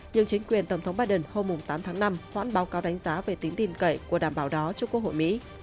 nhưng chính quyền tổng thống biden hôm tám tháng năm hoãn báo cáo đánh giá về tính tin cậy của đảm bảo đó cho quốc hội mỹ